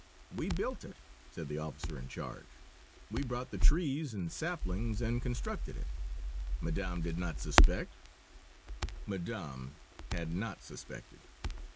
"We built it," said the officer in charge. "We brought the trees and saplings and constructed it. Madame did not suspect?" Madame had not suspected.